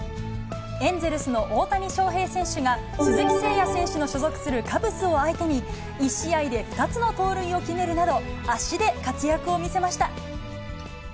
エンゼルスの大谷翔平選手が、鈴木誠也選手の所属するカブスを相手に、１試合で２つの盗塁を決めるなど、足で活躍を見せました。